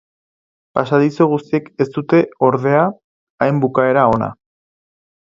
Pasadizo guztiek ez dute, ordea, hain bukaera ona.